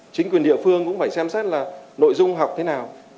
chính quyền địa phương cũng phải xem xét là nội dung học thế nào